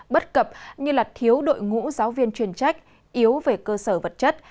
bất cập như thiếu đội ngũ giáo viên truyền trách yếu về cơ sở vật chất